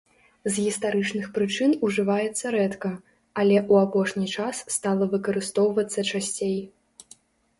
З гістарычных прычын ужываецца рэдка, але ў апошні час стала выкарыстоўвацца часцей.